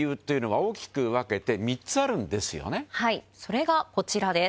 それがこちらです。